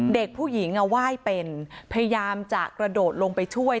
เด็กผู้หญิงไหว้เป็นพยายามจะกระโดดลงไปช่วย